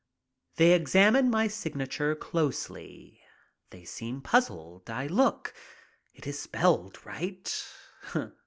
They examine my signature closely. They seem puzzled. I look. It is spelled right.